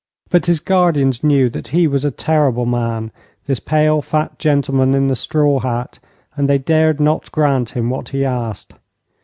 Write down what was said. But his guardians knew that he was a terrible man, this pale, fat gentleman in the straw hat, and they dared not grant him what he asked.